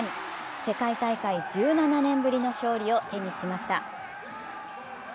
世界大会１７年ぶりの勝利を手にしました。